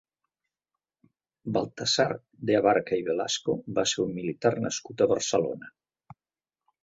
Baltazar de Abarca i Velasco va ser un militar nascut a Barcelona.